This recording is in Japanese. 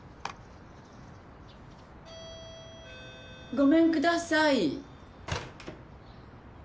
ごめんください。